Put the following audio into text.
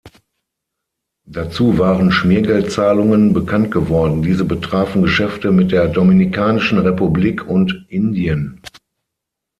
Dazu waren Schmiergeldzahlungen bekannt geworden, diese betrafen Geschäfte mit der Dominikanischen Republik und Indien.